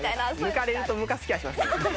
抜かれるとむかつきはします